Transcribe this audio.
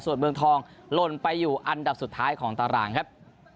ส่วนเมืองทองหล่นไปอยู่อันดับสุดท้ายของตารางครับ